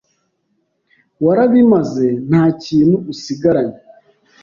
warabimaze ntakintu usigaranye.